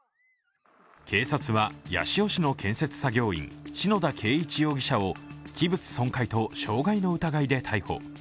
警察は八潮市の建設作業員、篠田恵一容疑者を器物損壊と傷害の疑いで逮捕。